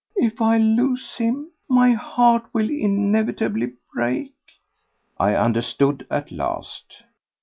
"If I lose him, my heart will inevitably break." I understood at last.